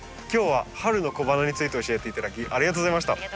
今日は春の小花について教えて頂きありがとうございました。